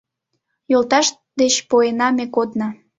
Йолташ деч поена ме кодна.